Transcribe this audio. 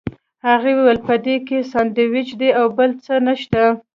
هغه وویل په دې کې ساندوېچ دي او بل څه نشته.